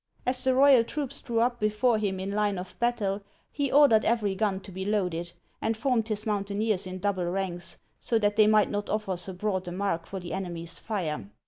As the royal troops drew up before him in line of battle, he ordered every gun to be loaded, and formed his mountaineers in double ranks, so that they might not offer so broad a mark for the enemy's fire.